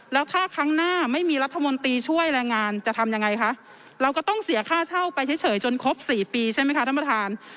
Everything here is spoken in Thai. แล้วถ้าครั้งหน้าไม่มีรัฐมนตรีช่วยแรงงานจะทำยังไงคะเราก็ต้องเสียค่าเช่าไปเฉยจนครบ๔ปีใช่ไหมคะท่านประธาน